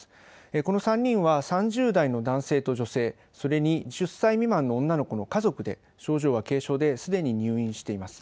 この３人は３０代の男性と女性、それに１０歳未満の女の子の家族で症状は軽症ですでに入院しています。